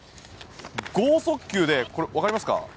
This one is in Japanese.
剛速球でこれ、分かりますか？